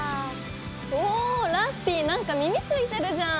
おおラッピィなんか耳ついてるじゃん！